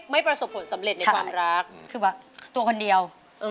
ประสบผลสำเร็จในความรักคือแบบตัวคนเดียว